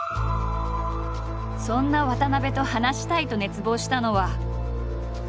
そんな渡部と話したいと熱望したのは。